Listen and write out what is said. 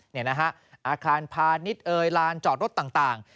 นี่นะฮะอาคารพาณิชย์เอ่ยลานจอดรถต่าง